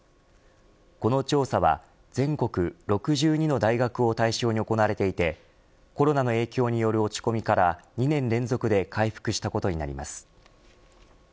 この調査は、全国６２の大学を対象に行われていてコロナの影響による落ち込みから２年連続で回復したことになります。